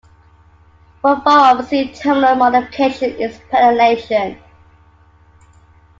One form of C-terminal modification is prenylation.